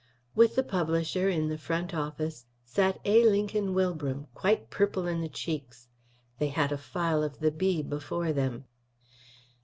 With the publisher, in the front office, sat A. Lincoln Wilbram, quite purple in the cheeks. They had a file of the Bee before them.